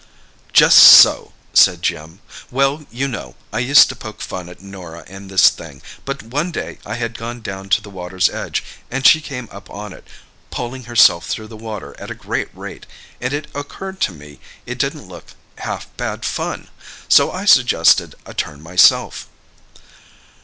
"Just so!" said Jim. "Well, you know, I used to poke fun at Norah and this thing. But one day I had gone down to the water's edge, and she came up on it, poling herself through the water at a great rate, and it occurred to me it didn't look half bad fun. So I suggested a turn myself."